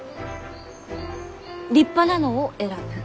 立派なのを選ぶ。